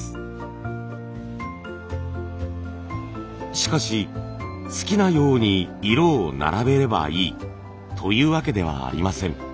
しかし好きなように色を並べればいいというわけではありません。